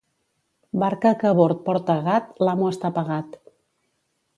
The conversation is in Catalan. Barca que a bord porta gat, l'amo està pagat.